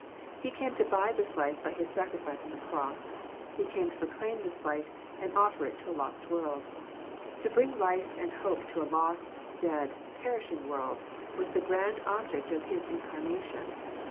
He came to buy this life by His sacrifice on the cross. He came to proclaim this life and offier it to a lost world. To bring life and hope to a lost, dead, perishing world was the grand object of his incar nation.